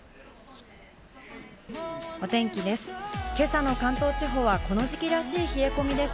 お天気です。